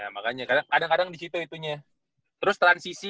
makanya kadang kadang di situ itunya terus transisi